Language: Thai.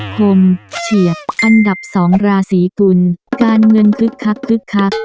ผมเฉียบอันดับ๒ราศีกุลการเงินคึกคัก